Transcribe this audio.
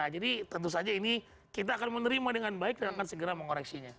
jadi tentu saja ini kita akan menerima dengan baik dan akan segera mengoreksinya